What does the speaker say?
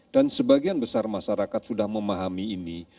dan sebagian besar masyarakat sudah memahami ini